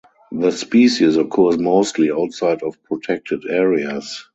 The species occurs mostly outside of protected areas.